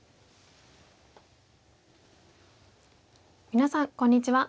皆さんこんにちは。